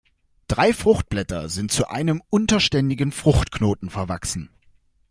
Drei Fruchtblätter sind zu einem unterständigen Fruchtknoten verwachsen.